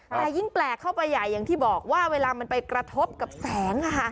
แต่ยิ่งแปลกเข้าไปใหญ่อย่างที่บอกว่าเวลามันไปกระทบกับแสง